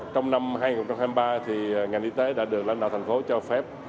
trong năm hai nghìn hai mươi ba ngành y tế đã được lãnh đạo thành phố cho phép